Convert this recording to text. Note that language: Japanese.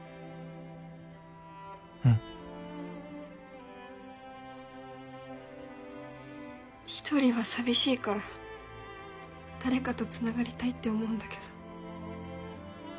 うんひとりは寂しいから誰かとつながりたいって思うんだけど